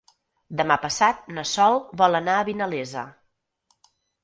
Demà passat na Sol vol anar a Vinalesa.